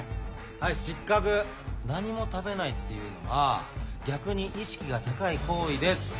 はい失格何も食べないっていうのは逆に意識が高い行為です。